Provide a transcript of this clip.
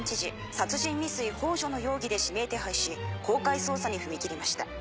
殺人未遂ほう助の容疑で指名手配し公開捜査に踏み切りました。